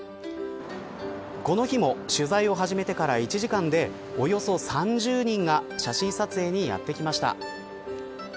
この日も取材を始めてから１時間でおよそ３０人が写真撮影にやってきました。